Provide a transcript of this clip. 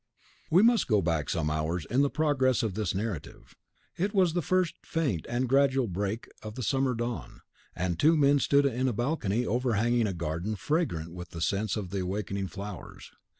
We must go back some hours in the progress of this narrative. It was the first faint and gradual break of the summer dawn; and two men stood in a balcony overhanging a garden fragrant with the scents of the awakening flowers.